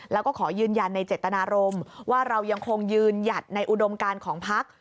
แล้วก็ขอยืนยันในเจตนารมณ์ว่าเรายังคงยืนหยัดในอุดมการของพัก